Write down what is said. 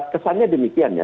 kesannya demikian ya